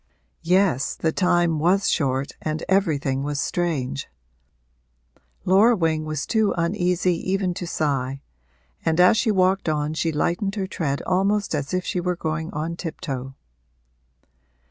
Yes, the time was short and everything was strange. Laura Wing was too uneasy even to sigh, and as she walked on she lightened her tread almost as if she were going on tiptoe.